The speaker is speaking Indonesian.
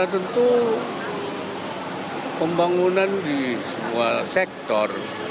tentu pembangunan di semua sektor